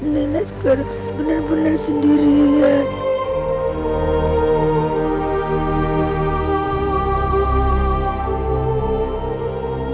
nenek sekarang benar benar sendirian